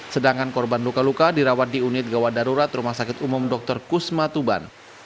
sedangkan korban luka luka dirawat di unit gawat darurat rumah sakit umum dr kusma tuban